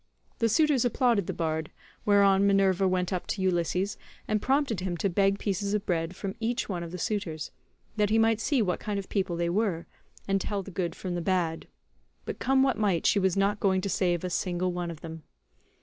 The suitors applauded the bard, whereon Minerva went up to Ulysses and prompted him to beg pieces of bread from each one of the suitors, that he might see what kind of people they were, and tell the good from the bad; but come what might she was not going to save a single one of them.